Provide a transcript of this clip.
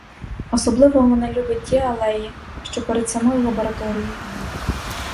Особливо вона любить ті алеї, що перед самою лабораторією.